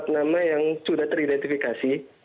empat nama yang sudah teridentifikasi